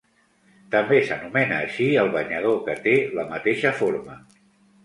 També s'anomena així el banyador que té la mateixa forma.